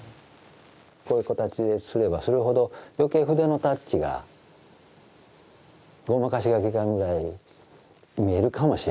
こういう形ですればするほど余計筆のタッチがごまかしがきかんぐらい見えるかもしれませんね。